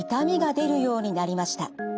出るようになりました。